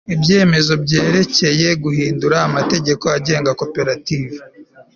ibyemezo byerekeye guhindura amategeko agenga koperative